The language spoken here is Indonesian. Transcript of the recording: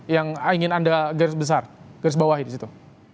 yang ingin anda garis besar garis bawahi di situ